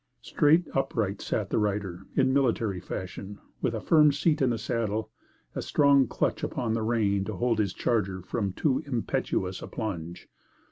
Straight upright sat the rider, in military fashion, with a firm seat in the saddle, a strong clutch upon the rein to hold his charger from too impetuous a plunge.